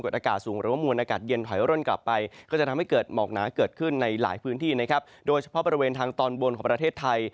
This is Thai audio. โดยเฉพาะบริเวณทางตอนบนของประเทศไทย